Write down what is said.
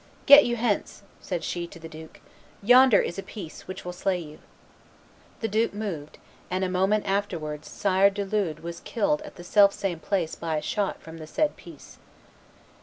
"Get you hence," said she to the duke; "yonder is a piece which will slay you." The Duke moved, and a moment afterwards Sire de Lude was killed at the self same place by a shot from the said piece.